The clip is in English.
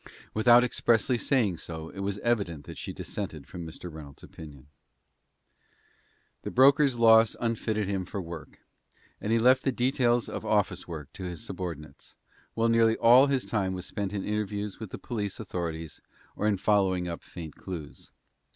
Without expressly saying so, it was evident that she dissented from Mr. Reynolds' opinion. The broker's loss unfitted him for work, and he left the details of office work to his subordinates, while nearly all his time was spent in interviews with the police authorities or in following up faint clews.